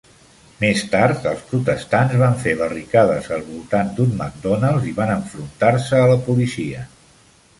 Més tard els protestants van fer barricades al voltant d'un McDonald's i van enfrontar-se a la policia.